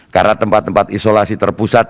karena tempat tempat isolasi terpusat